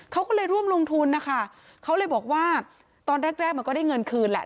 เขาก็เลยร่วมลงทุนนะคะเขาเลยบอกว่าตอนแรกแรกมันก็ได้เงินคืนแหละ